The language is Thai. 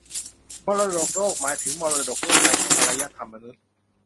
มรดกโลกหมายถึงมรดกร่วมกันของอารยธรรมมนุษย์